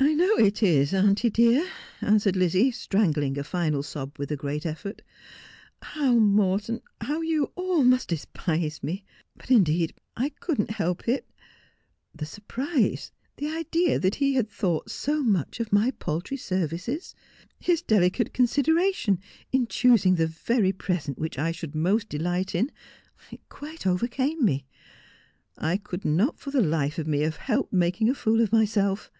'I know it is, auntie dear,' answered Lizzie, strangling a final sob with a great effort. ' How Morton — how you all must despise me ! But, indeed, I could not help it. The surprise — the idea that he had thought so much of my paltry services — his delicate consideration in choosing the very present which I should most delight in — quite overcame me. I could not for the life of me have helped making a fool of myself.